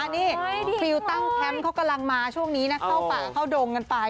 นี่ฟิลตั้งแคมป์เขากำลังมาช่วงนี้นะเข้าป่าเข้าดงกันไป